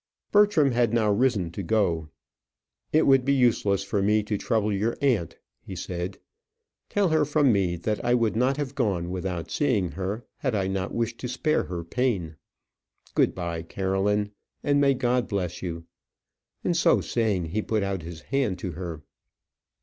Bertram had now risen to go. "It would be useless for me to trouble your aunt," he said. "Tell her from me that I would not have gone without seeing her had I not wished to spare her pain. Good bye, Caroline, and may God bless you;" and, so saying, he put out his hand to her.